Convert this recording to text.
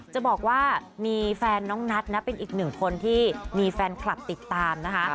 จะบอกว่ามีแฟนน้องนัทนะเป็นอีกหนึ่งคนที่มีแฟนคลับติดตามนะคะ